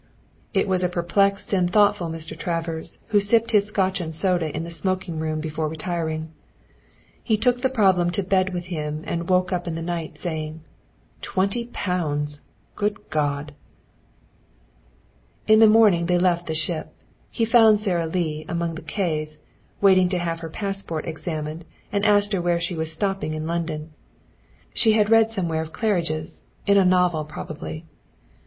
It was a perplexed and thoughtful Mr. Travers who sipped his Scotch and soda in the smoking room before retiring, he took the problem to bed with him and woke up in the night saying: "Twenty pounds! Good God!" In the morning they left the ship. He found Sara Lee among the K's, waiting to have her passport examined, and asked her where she was stopping in London. She had read somewhere of Claridge's in a novel probably.